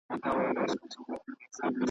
نو چي شاعر پخپله نه په پوهیږي .